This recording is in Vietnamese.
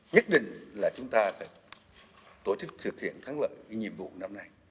nhất định là chúng ta phải tổ chức thực hiện thắng lợi cái nhiệm vụ năm nay